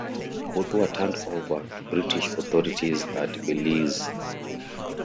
Both were turned over to British authorities at Belize.